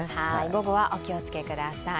午後はお気をつけください。